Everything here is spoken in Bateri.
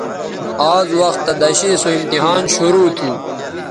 آز وختہ دݜیئں سو امتحان شرو تھو